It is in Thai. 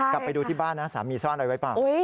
กลับไปดูที่บ้านนะสามีซ่อนอะไรไว้เปล่า